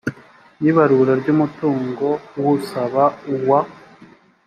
y ibarura ry umutungo w usaba n uwa